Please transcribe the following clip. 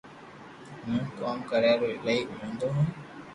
ھون ڪوم ڪريا رو ايلائي مودو ھون